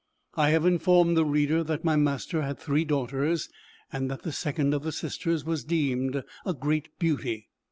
I have informed the reader that my master had three daughters, and that the second of the sisters was deemed a great beauty.